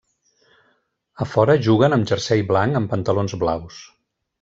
A fora juguen amb jersei blanc amb pantalons blaus.